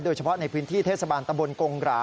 โดยเฉพาะในพื้นที่เทรษฐาบรรณตะบลกงหรา